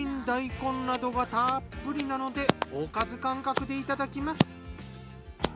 大根などがたっぷりなのでおかず感覚でいただきます。